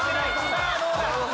さぁどうだ？